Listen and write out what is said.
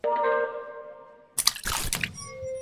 Es famoso por tener gran número de huertos de árboles frutales.